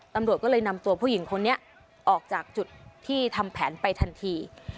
ตำรวจก็เลยนำตัวผู้หญิงคนนี้ออกจากจุดที่ทำแผนไปทันที